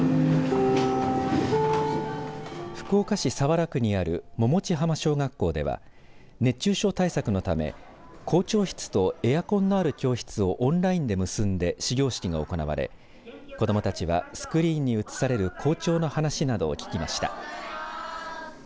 福岡市早良区にある百道浜小学校では熱中症対策のため校長室とエアコンのある教室をオンラインで結んで始業式が行われ子どもたちはスクリーンに映される校長の話などを聞きました。